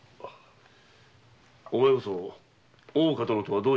お前こそ大岡殿とはどういう関係だ。